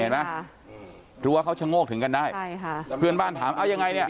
รู้ว่าเขาจะโง่กถึงกันได้เพื่อนบ้านถามเอายังไงเนี่ย